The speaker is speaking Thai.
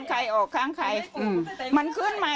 สวัสดีคุณผู้ชายสวัสดีคุณผู้ชาย